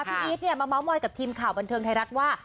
พี่อีทเนี่ยมาเมาส์มอยกับทีมข่าวบันเทิงไทยรัฐว่า